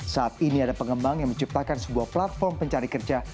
saat ini ada pengembang yang menciptakan sebuah platform pencari kerja